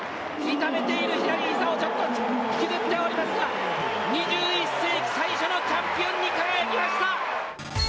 痛めている左膝を若干、引きずっていますが２１世紀最初のチャンピオンに輝きました！